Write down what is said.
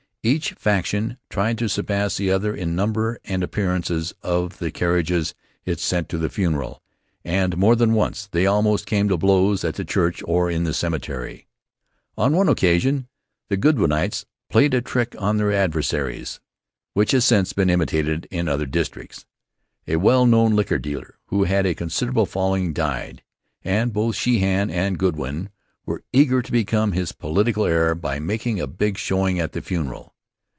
Each faction tried to surpass the other in the number and appearance of the carriages it sent to the funeral, and more than once they almost came to blows at the church or in the cemetery. On one occasion the Goodwinites played a trick on their adversaries which has since been imitated in other districts. A well known liquor dealer who had a considerable following died, and both Sheehan and Goodwin were eager to become his political heir by making a big showing at the funeral.